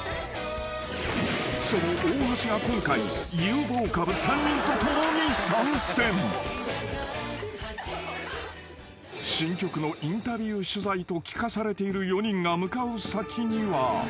［その大橋が今回］［新曲のインタビュー取材と聞かされている４人が向かう先には］